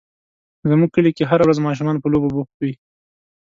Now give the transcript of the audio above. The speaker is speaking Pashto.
زموږ کلي کې هره ورځ ماشومان په لوبو بوخت وي.